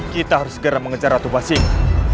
kita harus segera mengejar atubah singh